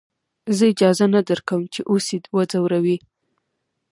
زه اجازه نه درکم چې اوس يې وځورې.